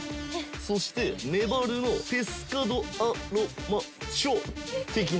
そしてメバルのペスカド・ア・ロ・マチョ的な。